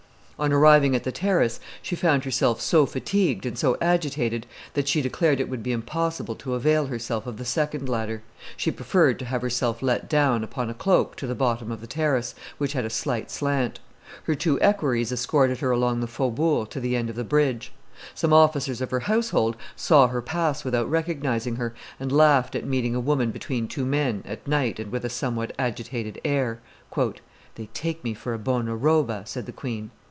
On arriving at the terrace she found herself so fatigued and so agitated, that she declared it would be impossible to avail herself of the second ladder; she preferred to have herself let down upon a cloak to the bottom of the terrace, which had a slight slant. Her two equerries escorted her along the faubourg to the end of the bridge. Some officers of her household saw her pass without recognizing her, and laughed at meeting a woman between two men, at night and with a somewhat agitated air. "They take me for a bona roba," said the queen.